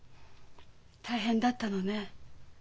大変だったのね。